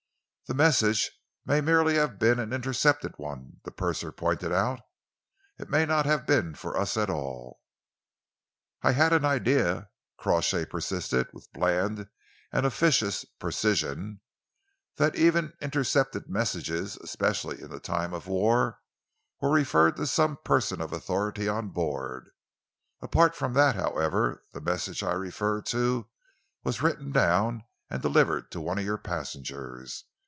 "The message may merely have been an intercepted one," the purser pointed out. "It may not have been fur us at all." "I had an idea," Crawshay persisted, with bland and officious precision, "that even intercepted messages, especially in time of war, were referred to some person of authority on board. Apart from that, however, the message I refer to was written down and delivered to one of your passengers.